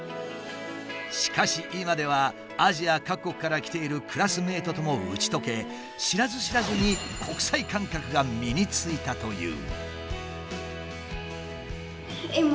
しかし今ではアジア各国から来ているクラスメートとも打ち解け知らず知らずに国際感覚が身についたという。